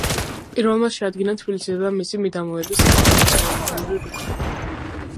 პირველმა შეადგინა თბილისისა და მისი მიდამოების საინჟინრო გეოლოგიური რუკა.